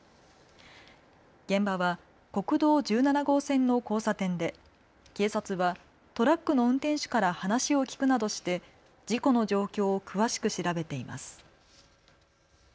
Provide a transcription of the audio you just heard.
現場は国道１７号線の交差点で警察はトラックの運転手から話を聞くなどして事故の状況を詳しく調べています。